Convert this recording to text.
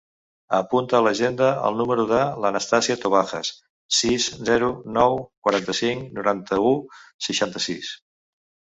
Apunta a l'agenda el número de l'Anastàsia Tobajas: sis, zero, nou, quaranta-cinc, noranta-u, seixanta-sis.